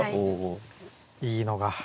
いいのが。